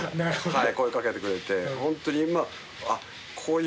はい。